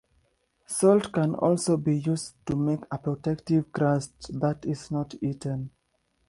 Salt can also be used to make a protective crust that is not eaten.